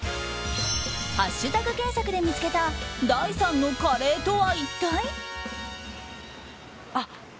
ハッシュタグ検索で見つけた第３のカレーとは一体？